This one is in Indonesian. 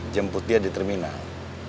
jemput dia di terminal